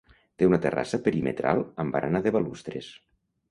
Té una terrassa perimetral amb barana de balustres.